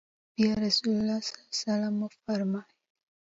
بيا رسول الله صلی الله عليه وسلم وفرمايل: